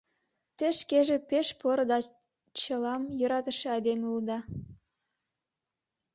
— Те шкеже пеш поро да чылам йӧратыше айдеме улыда.